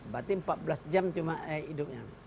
berarti empat belas jam cuma hidupnya